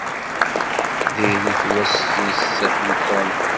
Diri-t wass-is n Tom.